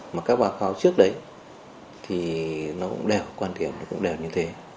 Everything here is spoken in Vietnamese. mà các báo cáo trước đấy thì nó cũng đều quan điểm nó cũng đều như thế